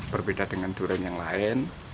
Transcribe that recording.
berbeda dengan durian yang lain